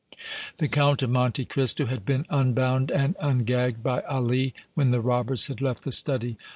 The Count of Monte Cristo had been unbound and ungagged by Ali when the robbers had left the study.